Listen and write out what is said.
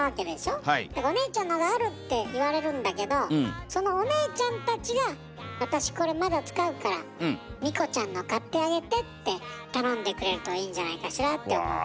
でお姉ちゃんのがあるって言われるんだけどそのお姉ちゃんたちが私これまだ使うからみこちゃんの買ってあげてって頼んでくれるといいんじゃないかしらって思う。